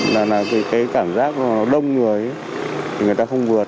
là cái cảm giác đông người thì người ta không vượt